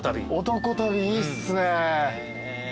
男旅いいっすね。